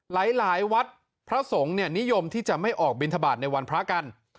หลายหลายวัดพระสงฆ์นิยมที่จะไม่ออกบิณฑบาตในวันพระกัน